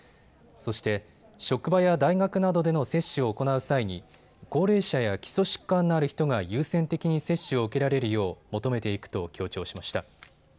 そして、職場や大学などでの接種を行う際に高齢者や基礎疾患のある人が優先的に接種を受けられるよう求めていくと強調しました。